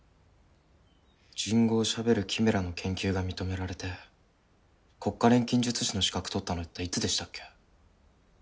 人語をしゃべるキメラの研究が認められて国家錬金術師の資格取ったのっていつでしたっけ？